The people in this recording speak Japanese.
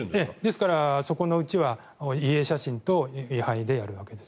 ですから、そこのうちは遺影写真と遺灰でやるわけです。